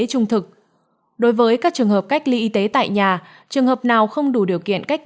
trung thực đối với các trường hợp cách ly y tế tại nhà trường hợp nào không đủ điều kiện cách